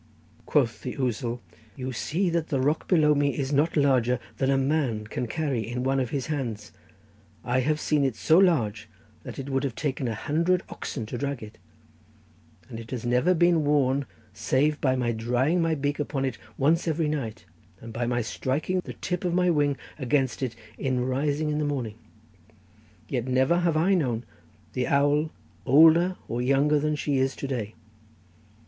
Quoth the ousel: 'You see that the rock below me is not larger than a man can carry in one of his hands: I have seen it so large that it would have taken a hundred oxen to drag it, and it has never been worn save by my drying my beak upon it once every night, and by my striking the tip of my wing against it in rising in the morning, yet never have I known the owl older or younger than she is to day.